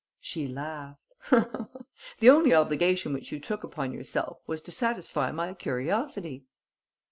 She laughed: "The only obligation which you took upon yourself was to satisfy my curiosity."